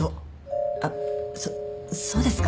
あっそっそうですか？